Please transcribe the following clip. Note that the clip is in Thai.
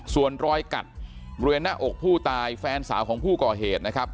ส่วนรอยกัดบริเวณหน้าอกผู้ตายแฟนสาวของผู้ก่อเหตุนะครับ